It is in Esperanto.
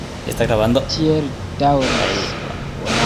Tiel daŭris.